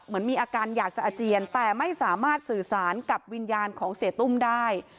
เหมือนมีอาการอยากจะอาเจียนแต่ไม่สามารถสื่อสารกับวิญญาณของเสียตุ้มได้